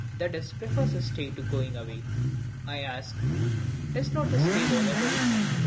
e. prefers his stay to going away. I ask, is not this stay voluntary?